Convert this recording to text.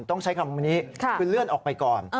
ต้องใช้คำนี้คือเลื่อนออกไปก่อน